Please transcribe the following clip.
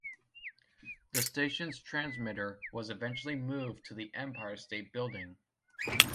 The station's transmitter was eventually moved to the Empire State Building.